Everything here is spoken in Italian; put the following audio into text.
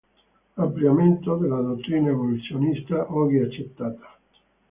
Ampliamento della dottrina evoluzionista oggi accettata.